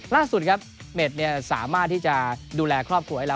ล่าสุดครับเม็ดสามารถที่จะดูแลครอบครัวให้เรา